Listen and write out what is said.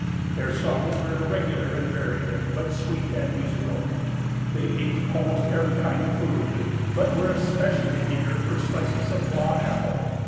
Their songs were irregular and varied, but sweet and musical. They ate almost every kind of food, but were especially eager for slices of raw apple.